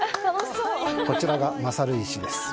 こちらが魔去る石です。